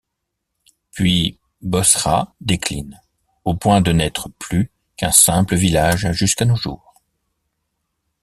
Puis Bosra décline, au point de n'être plus qu'un simple village jusqu'à nos jours.